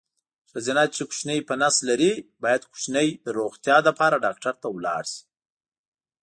ښځېنه چې کوچینی په نس لري باید کوچیني د روغتیا لپاره ډاکټر ولاړ شي.